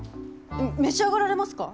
召し上がられますか？